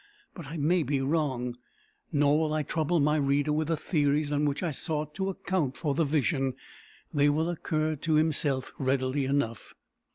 But I may be wrong. Nor will I trouble my reader with the theories on which I sought to account for the vision. They will occur to himself readily enough.